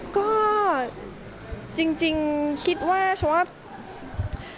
ก็จริงคิดว่าฉันว่า